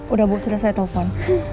udah bu sudah saya telepon